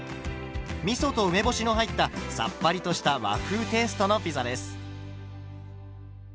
みそと梅干しの入ったさっぱりとした和風テイストのピザです。